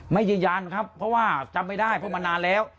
ยืนยันครับเพราะว่าจำไม่ได้เพราะมันนานแล้ว